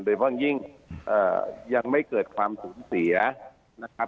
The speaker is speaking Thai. โดยเพราะยิ่งยังไม่เกิดความสูญเสียนะครับ